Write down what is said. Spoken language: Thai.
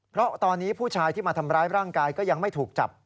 เพราะตอนนี้ผู้ชายที่มาทำร้ายร่างกายก็ยังไม่ถูกจับ